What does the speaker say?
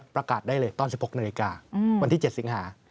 ประกาศได้เลยตอน๑๖นาฬิกาวันที่๗สิงหา